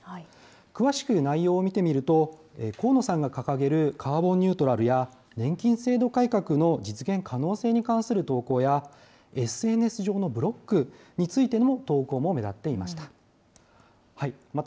詳しく内容を見てみると、河野さんが掲げるカーボンニュートラルや年金制度改革の実現可能性に関する投稿や、ＳＮＳ上のブロックについての投稿も目立っていました。